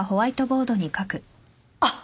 あっ！